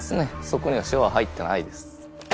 そこには塩は入ってないです。